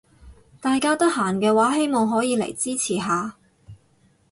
大家得閒嘅話希望可以嚟支持下